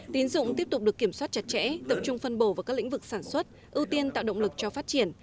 tín dụng tiếp tục được kiểm soát chặt chẽ tập trung phân bổ vào các lĩnh vực sản xuất ưu tiên tạo động lực cho phát triển